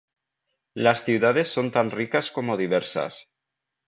Las ciudades son tan ricas como diversas.